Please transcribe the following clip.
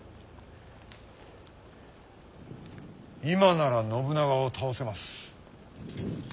今なら信長を倒せます。